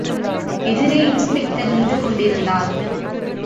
எதிரே இன்ஸ்பெக்டர் நின்று கொண்டிருந்தார்.